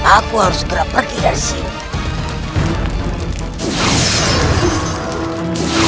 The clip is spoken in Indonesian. aku harus segera pergi dari sini